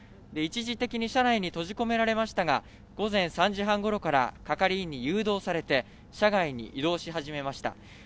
一時的に車内に閉じ込められましたが、午前３時半頃から係員に誘導されて、車外に移動し始めました。